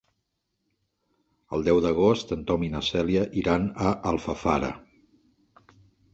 El deu d'agost en Tom i na Cèlia iran a Alfafara.